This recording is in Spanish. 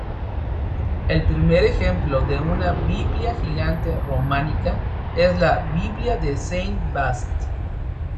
El primer ejemplo de una Biblia gigante románica es la Biblia de Saint-Vaast.